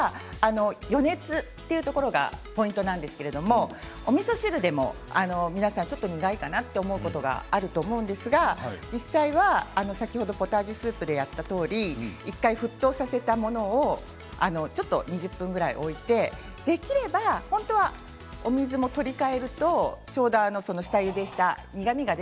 余熱というところがポイントなんですけれどもおみそ汁でも皆さんちょっと苦いかなと思うことがあると思うんですが実際は先ほどポタージュスープでやったとおり１回沸騰させたものもちょっと２０分ぐらい置いてできれば本当はお水も取り替えるとちょうど下ゆでした苦みが別で。